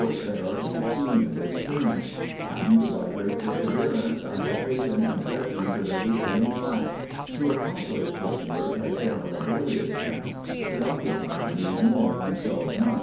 that are to be seen in this tomb ; and by great perseverance I have taken im pressions of every thing in wax : to accomplish the work has been a laborious task, that occupied me more than twelve months.